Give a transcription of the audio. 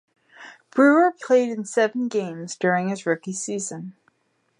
Brewer played in seven games during his rookie season.